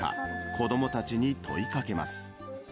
子どもたちに問いかけます。